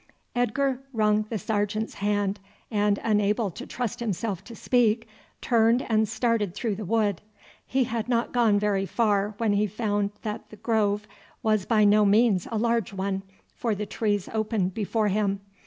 Edgar wrung the sergeant's hand, and, unable to trust himself to speak, turned and started through the wood. He had not gone very far when he found that the grove was by no means a large one, for the trees opened before him.